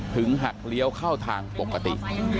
ถึงหักเรียวเข้าทางปกติ